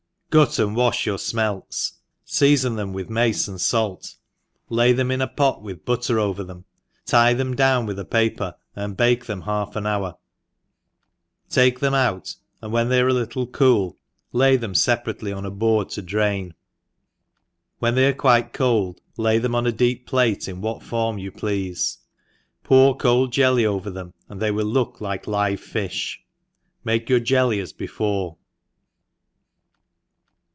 GUT and wafli your fmelts, feafon them with mace and^ ialt, lay them in a pot with butter over them, tic them down with paper, and bake them half an hour, take them out, and when they nre a little cool, lay them feparatcly on a board to drain, when they are quite cold, lay them on a deep plate in what form you plcafe, pour cold jelly over them, and they will look like live fifli. — Make your jeljy as before